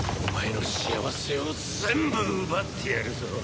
お前の幸せを全部奪ってやるぞ！